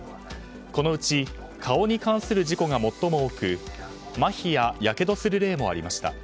このうち顔に関する事故が最も多くまひや、やけどする例もありました。